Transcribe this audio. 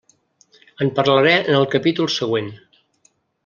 En parlaré en el capítol següent.